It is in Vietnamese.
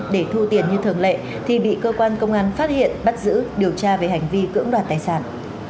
để thu tiền như thường lệ thì bị cơ quan công an phát hiện bắt giữ điều tra về hành vi cưỡng đoạt tài sản